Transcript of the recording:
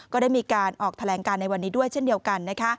ก็ได้มีการออกแถลงการในวันนี้ด้วยเช่นเดียวกัน